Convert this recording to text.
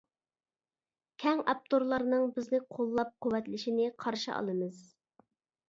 كەڭ ئاپتورلارنىڭ بىزنى قوللاپ قۇۋۋەتلىشىنى قارشى ئالىمىز.